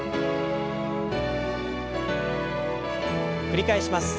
繰り返します。